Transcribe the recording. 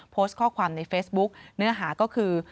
โพสต์ข้อความในเฟซบุ๊กเนื้อหาก็คือ